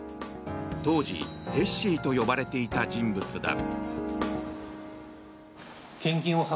当時、テッシーと呼ばれていた人物だ。